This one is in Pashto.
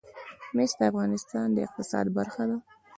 مس د افغانستان د اقتصاد برخه ده.